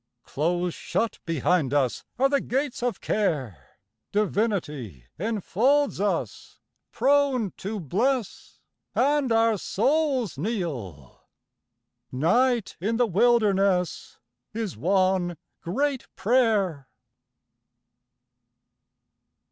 Close shut behind us are the gates of care, Divinity enfolds us, prone to bless, And our souls kneel. Night in the wilderness Is one great prayer.